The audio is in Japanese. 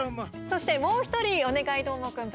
そして、もう１人「おねがい！どーもくん」